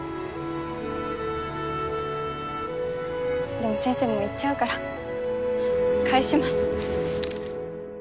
でも先生もう行っちゃうから返します。